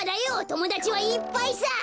ともだちはいっぱいさ。